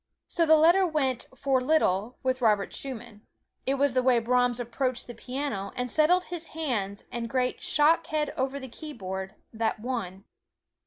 So the letter went for little with Robert Schumann it was the way Brahms approached the piano, and settled his hands and great shock head over the keyboard, that won.